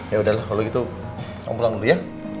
yaudah lah kalo gitu om pulang dulu ya